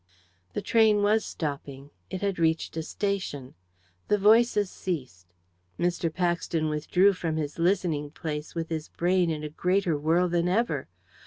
The train was stopping. It had reached a station. The voices ceased. Mr. Paxton withdrew from his listening place with his brain in a greater whirl than ever.